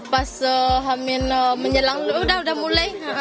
pas hamin menjelang udah udah mulai